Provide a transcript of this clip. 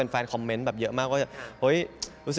แฟนคอมเมนต์แบบเยอะมากว่า